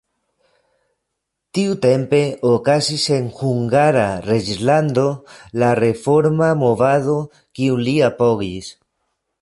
Tiutempe okazis en Hungara reĝlando la reforma movado, kiun li apogis.